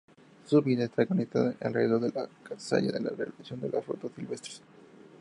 Su vida estaba organizada alrededor de la cacería y la recolección de frutas silvestres.